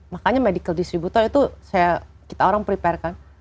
makanya medical distributor itu kita orang prepare kan